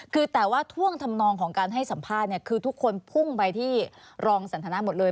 คือแต่ว่าท่วงทำนองของการให้สัมภาษณ์เนี่ยคือทุกคนพุ่งไปที่รองสันทนาหมดเลย